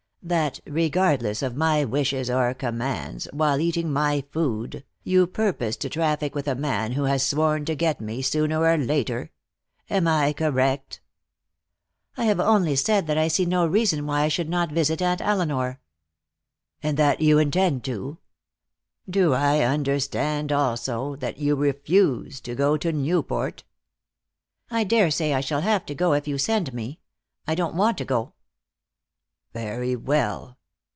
That, regardless of my wishes or commands, while eating my food, you purpose to traffic with a man who has sworn to get me, sooner or later. Am I correct?" "I have only said that I see no reason why I should not visit Aunt Elinor." "And that you intend to. Do I understand also that you refuse to go to Newport?" "I daresay I shall have to go, if you send me. I don't want to go." "Very well.